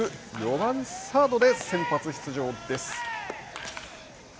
４番サードで先発出場です。